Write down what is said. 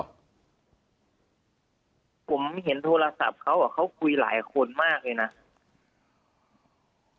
ผมเห็นโทรศัพท์เขา